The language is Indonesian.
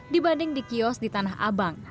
dibanding di kios di tanah abang